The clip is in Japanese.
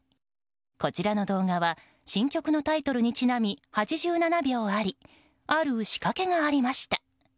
こちらの動画は新曲のタイトルにちなみ８７秒ありある仕掛けがありました。